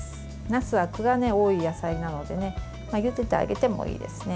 なすは、あくが多い野菜なのでゆでてあげてもいいですね。